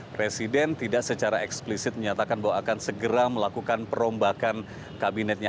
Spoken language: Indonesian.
presiden tidak secara eksplisit menyatakan bahwa akan segera melakukan perombakan kabinetnya